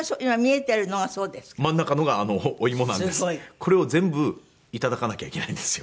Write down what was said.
これを全部頂かなきゃいけないんですよ。